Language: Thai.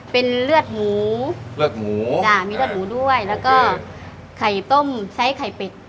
เป็นเลือดหมูเลือดหมูจ้ะมีเลือดหมูด้วยแล้วก็ไข่ต้มใช้ไข่เป็ด